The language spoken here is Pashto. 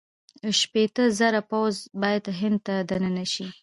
شپېته زره پوځ باید هند ته دننه شي.